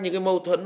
những cái mâu thuẫn